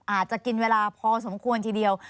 อาจจะกินเวลาพอสมควรทีเดียว